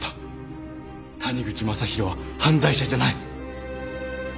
谷口正博は犯罪者じゃない